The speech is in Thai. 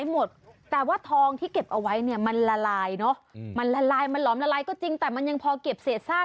มันไหม้หมดเลยจริงนะคะ